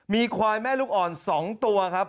มีควายแม่ลูกอ่อน๒ตัวครับ